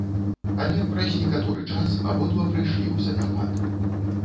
Але праз некаторы час абодва прыйшлі ў заняпад.